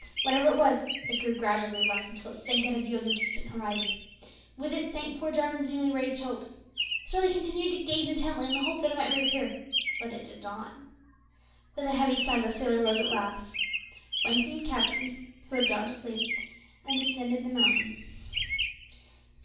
Whatever it was, it grew gradually less until it sank out of view on the distant horizon. With it sank poor Jarwin's newly raised hopes. Still he continued to gaze intently, in the hope that it might reappear; but it did not. With a heavy sigh the sailor rose at length, wakened Cuffy, who had gone to sleep, and descended the mountain.